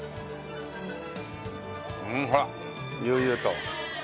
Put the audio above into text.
ほら悠々と。